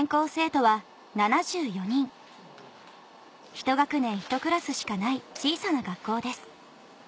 ひと学年ひとクラスしかない小さな学校です